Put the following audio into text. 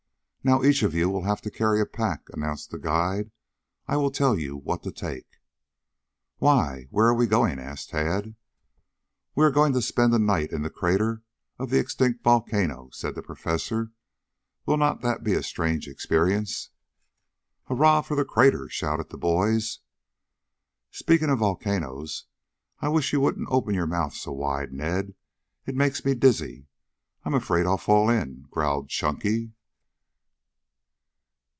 "Now each of you will have to carry a pack," announced the guide. "I will tell you what to take." "Why, where are we going?" asked Tad. "We are going to spend the night in the crater of the extinct volcano," said the Professor. "Will not that be a strange experience?" "Hurrah for the crater!" shouted the boys. "Speaking of volcanoes, I wish you wouldn't open your mouth so wide, Ned. It makes me dizzy. I'm afraid I'll fall in," growled Chunky.